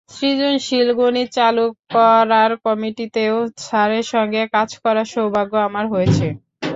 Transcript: সৃজনশীল গণিত চালু করার কমিটিতেও স্যারের সঙ্গে কাজ করার সৌভাগ্য আমার হয়েছে।